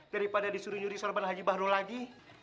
daripada disuruh nyuri sorban haji baru lagi